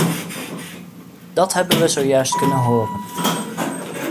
Dat hebben we zojuist kunnen horen.